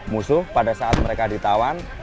musuh pada saat mereka ditawan